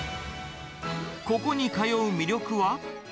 ここに通う魅力は？